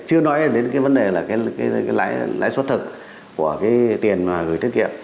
chưa nói đến cái vấn đề là cái lãi suất thực của cái tiền mà gửi tiết kiệm